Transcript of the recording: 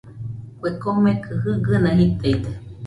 Kue komekɨ jɨgɨna jitaide.